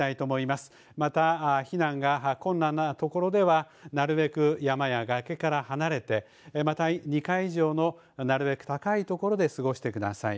また避難が困難なところでは、なるべく山や崖から離れて、また、２階以上のなるべく高い所で過ごしてください。